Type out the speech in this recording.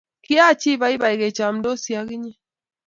Kiachi baibai kechomdosi ak inye